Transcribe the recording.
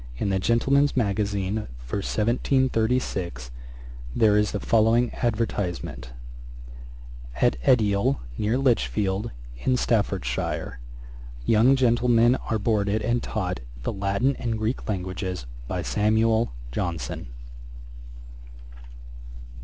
In the Gentleman's Magazine for 1736, there is the following advertisement: 'At Edial, near Lichfield, in Staffordshire, young gentlemen are boarded and taught the Latin and Greek languages, by SAMUEL JOHNSON.'